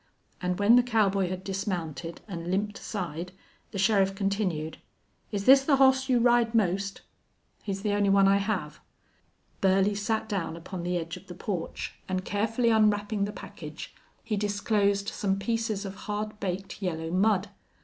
And when the cowboy had dismounted and limped aside the sheriff continued, "Is this the hoss you ride most?" "He's the only one I have." Burley sat down upon the edge of the porch and, carefully unwrapping the package, he disclosed some pieces of hard baked yellow mud.